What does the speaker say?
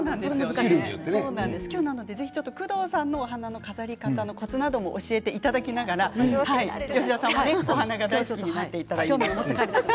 工藤さんのお花の飾り方のコツなども教えていただきながら吉田さんにもお花が大好きになってもらって。